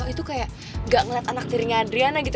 itu kayak gak ngeliat anak tirinya adriana gitu